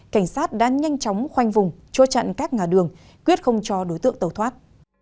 cảnh sát đã nhanh chóng khoanh vùng chua chặn các ngà đường quyết không cho đối tượng tàu thoát